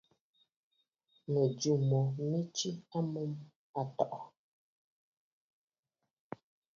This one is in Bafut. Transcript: Mɨ̀jɨ̂ mo mɨ tswe a mûm àntɔ̀ɔ̀.